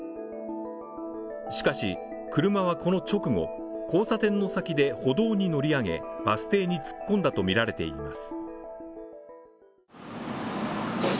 しかし車はこの直後、交差点の先で歩道に乗り上げ、バス停に突っ込んだとみられています。